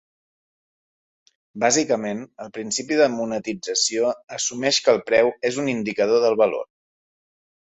Bàsicament, el principi de monetització assumeix que el preu és un indicador del valor.